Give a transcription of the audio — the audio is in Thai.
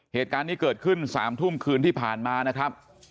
เหตุการณ์นี้เกิดขึ้น๓ทุ่มคืนที่ผ่านมานะครับ